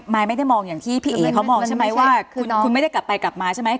ยไม่ได้มองอย่างที่พี่เอ๋เขามองใช่ไหมว่าคุณไม่ได้กลับไปกลับมาใช่ไหม